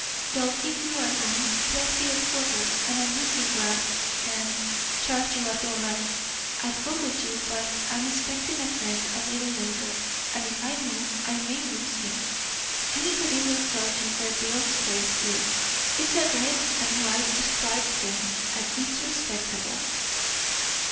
They'll give you a room, plenty of water, and a looking glass an' charge you a dollar. I'd go with you, but I'm expecting a friend a little later, and if I move I may lose him. Anybody will tell you where Bill's place is. It's a red an' white striped tent and it's respectable."